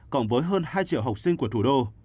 cộng với hơn hai triệu học sinh của thủ đô